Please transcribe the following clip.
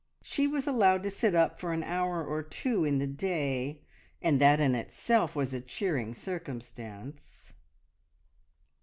She was allowed to sit up for an hour or two in the day, and that in itself was a cheering circumstance.